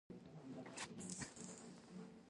سپین غر د کومو ولایتونو ترمنځ دی؟